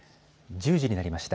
１０時になりました。